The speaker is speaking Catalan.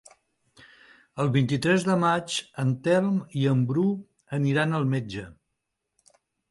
El vint-i-tres de maig en Telm i en Bru aniran al metge.